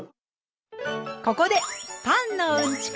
ここでパンのうんちく